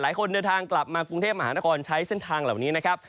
หลายคนเดินทางกลับมากรุงเทพมหานครใช้เส้นทางเหล่านี้นะครับ